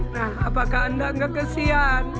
nah apakah anda nggak kesian